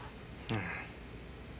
うん。